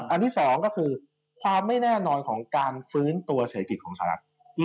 อันที่สองก็คือความไม่แน่นอนของการฟื้นตัวเศรษฐกิจของสหรัฐ